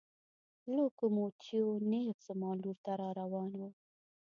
لوکوموتیو نېغ زما لور ته را روان و.